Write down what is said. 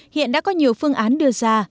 hiện đã có nhiều phương án đưa ra